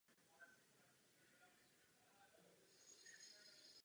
Obraz Ecce homo je starou kopií podle Rubense.